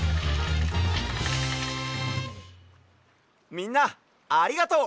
みんなありがとう！